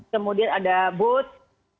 kemudian ada booth